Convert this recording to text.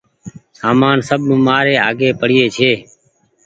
سامان سب مآري آگي پڙيو ڇي